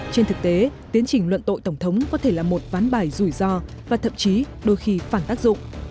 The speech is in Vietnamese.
trên thực tế tiến trình luận tội tổng thống có thể là một ván bài rủi ro và thậm chí đôi khi phản tác dụng